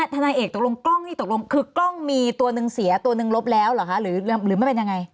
ทนายเอกตกลงกล้องนี่ตกลงคือกล้องมีตัวหนึ่งเสียตัวหนึ่งลบแล้วเหรอคะหรือมันเป็นยังไง